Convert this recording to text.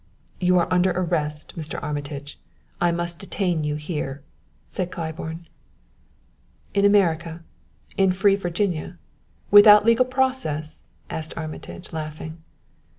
"You are under arrest, Mr. Armitage; I must detain you here," said Claiborne. "In America in free Virginia without legal process?" asked Armitage, laughing.